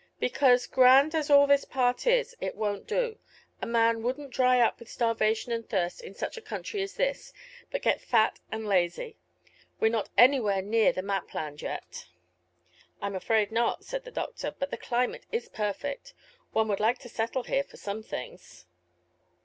"Because, grand as all this part is, it won't do. A man wouldn't dry up with starvation and thirst in such a country as this, but get fat and lazy. We're not anywhere near the map land yet." "I'm afraid not," said the doctor; "but the climate is perfect. One would like to settle here, for some things."